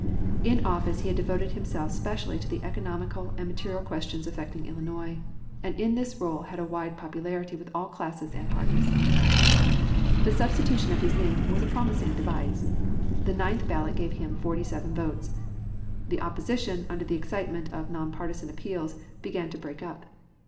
In office he had devoted himself specially to the economical and material questions affecting Illinois, and in this role had a wide popularity with all classes and parties. The substitution of his name was a promising device. The ninth ballot gave him 47 votes. The opposition under the excitement of non partisan appeals began to break up.